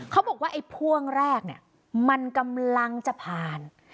เขาบอกว่าไอ้พ่วงแรกเนี่ยมันกำลังจะผ่าน